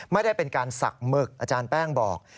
ไม่ได้เป็นการสักหมึกอาจารย์แป้งบอก